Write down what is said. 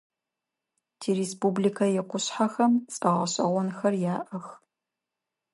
Тиреспубликэ икъушъхьэхэм цӏэ гъэшӏэгъонхэр яӏэх.